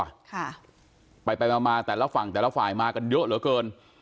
ค่ะไปไปมามาแต่ละฝั่งแต่ละฝ่ายมากันเยอะเหลือเกิน